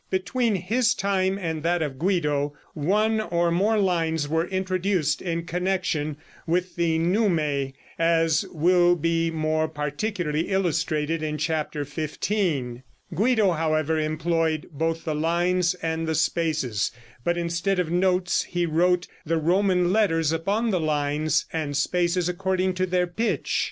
Between his time and that of Guido, one or more lines were introduced in connection with the neumæ, as will be more particularly illustrated in chapter XV. Guido, however, employed both the lines and the spaces, but instead of notes he wrote the Roman letters upon the lines and spaces according to their pitch.